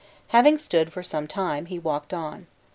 Having stood for some time, he walked on.